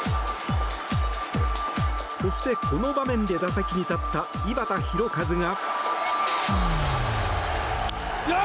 そして、この場面で打席に立った井端弘和が。